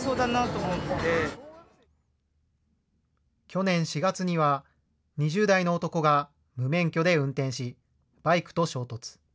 去年４月には、２０代の男が無免許で運転し、バイクと衝突。